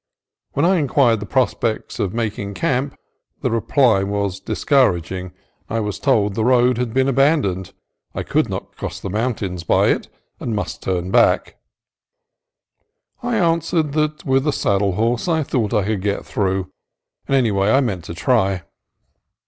When I inquired the prospects for making camp the reply was dis couraging. I was told that the road had been aban doned ; I could not cross the mountains by it, and must turn back. I answered that with a saddle horse I thought I could get through, and anyway I meant to try.